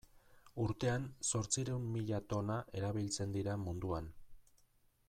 Urtean zortziehun mila tona erabiltzen dira munduan.